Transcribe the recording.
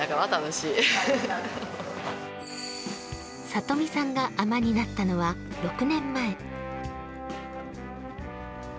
里美さんが海女になったのは６年前。